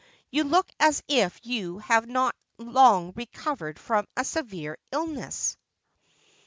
You look as if you had not long recovered from a severe illness."